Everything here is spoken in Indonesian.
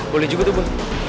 boleh juga tuh bu